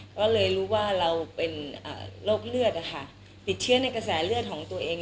ก็เลยรู้ว่าเราเป็นโรคเลือดติดเชื้อในกระแสเลือดของตัวเอง